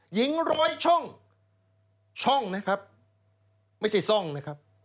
หญิงร้อยช่องช่องนะครับไม่ใช่ช่องนะครับ